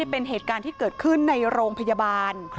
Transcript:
เป็นเหตุการณ์ที่เกิดขึ้นในโรงพยาบาล